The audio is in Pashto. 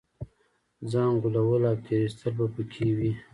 ځان غولول او تېر ایستل به په کې وي.